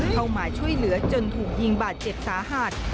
เข้ามาช่วยเหลือจนถูกยิงบาดเจ็บสาหัส